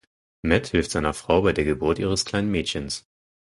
Matt hilft seiner Frau bei der Geburt ihres kleinen Mädchens.